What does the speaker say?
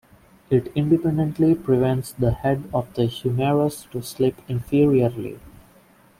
It independently prevents the head of the humerus to slip inferiorly.